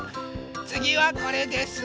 つぎはこれです。